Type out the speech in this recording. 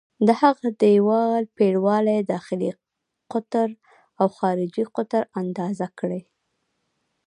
د هغه د دیوال پرېړوالی، داخلي قطر او خارجي قطر اندازه کړئ.